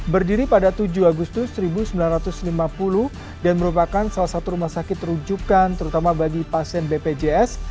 berdiri pada tujuh agustus seribu sembilan ratus lima puluh dan merupakan salah satu rumah sakit rujukan terutama bagi pasien bpjs